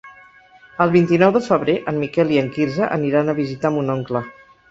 El vint-i-nou de febrer en Miquel i en Quirze aniran a visitar mon oncle.